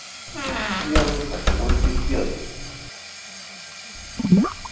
ای انوسو ہتے موش بہتی اسور